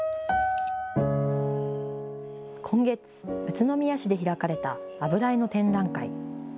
今月、宇都宮市で開かれた油絵の展覧会。